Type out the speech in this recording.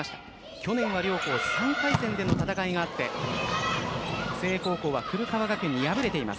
去年は両校３回戦での戦いがあって誠英高校は古川学園に敗れています。